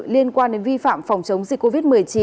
liên quan đến vi phạm phòng chống dịch covid một mươi chín